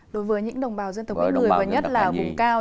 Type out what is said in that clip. đối với những đồng bào dân tộc người và nhất là vùng cao